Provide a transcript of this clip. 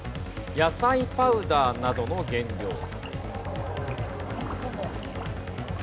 野菜パウダーなどの原料。